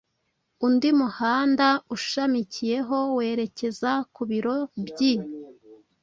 undi muhanda ushamikiyeho werekeza ku biro by’